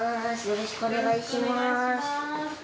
よろしくお願いします。